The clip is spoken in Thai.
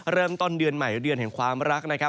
เริ่มต้นเดือนใหม่เดือนแห่งความรักนะครับ